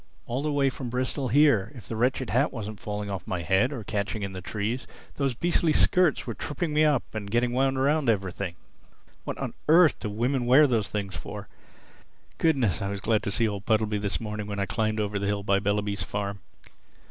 All the way from Bristol here, if the wretched hat wasn't falling off my head or catching in the trees, those beastly skirts were tripping me up and getting wound round everything. What on earth do women wear those things for? Goodness, I was glad to see old Puddleby this morning when I climbed over the hill by Bellaby's farm!"